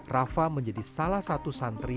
rafa menjadi salah satu santri